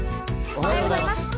おはようございます。